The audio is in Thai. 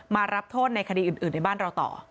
มารับโทษในคดีอื่นในบ้านเราต่อ